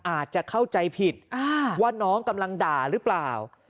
อาจจะเข้าใจผิดว่าน้องกำลังด่าหรือเปล่า